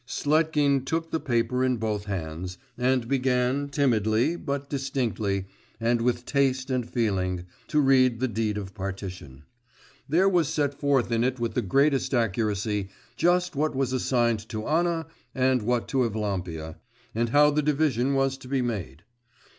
Sletkin took the paper in both hands, and began timidly, but distinctly, and with taste and feeling, to read the deed of partition. There was set forth in it with the greatest accuracy just what was assigned to Anna and what to Evlampia, and how the division was to be made.